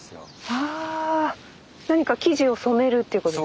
はあ何か生地を染めるっていうこと？